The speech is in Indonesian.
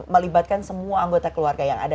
melibatkan semua anggota keluarga yang ada